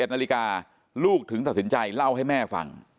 ๑นาฬิกาลูกถึงตัดสินใจเล่าให้แม่ฟัง